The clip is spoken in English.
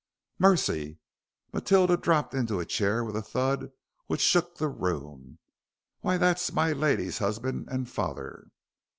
"Mercy," Matilda dropped into a chair, with a thud which shook the room; "why, that's my ladies' husband and father."